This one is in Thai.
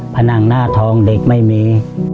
ผนังหน้าทองเด็กไม่มี